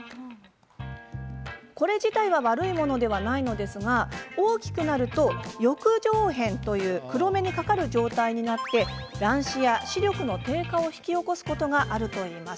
これ自体は悪いものではないのですが大きくなると翼状片という黒目にかかる状態になって乱視や視力の低下を引き起こすことがあるといいます。